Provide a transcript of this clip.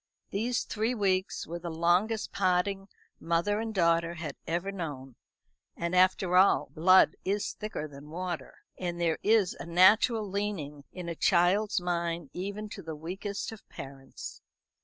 These three weeks were the longest parting mother and daughter had ever known; and after all, blood is thicker than water; and there is a natural leaning in a child's mind even to the weakest of parents.